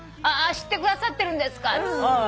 知ってくださってるんですか。